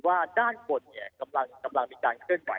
ว่าด้านบนกำลังมีการเคลื่อนไห